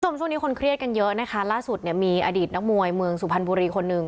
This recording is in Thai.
ช่วงนี้คนเครียดกันเยอะนะคะล่าสุดเนี่ยมีอดีตนักมวยเมืองสุพรรณบุรีคนหนึ่ง